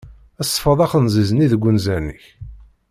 Sfeḍ axenziz-nni deg anzaren-ik.